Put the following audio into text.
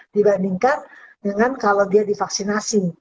dibandingkan dengan kalau dia divaksinasi